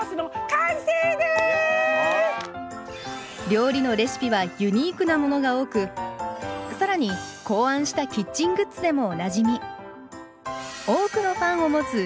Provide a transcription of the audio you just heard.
料理のレシピはユニークなものが多くさらに考案したキッチングッズでもおなじみ